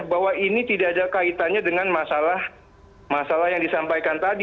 bahwa ini tidak ada kaitannya dengan masalah yang disampaikan tadi